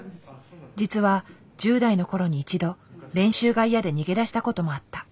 実は１０代の頃に一度練習が嫌で逃げ出した事もあった。